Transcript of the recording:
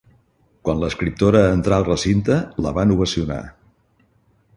Quan l'escriptora entrà al recinte la van ovacionar.